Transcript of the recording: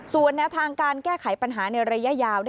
ส่วนแนวทางการแก้ไขปัญหาในระยะยาว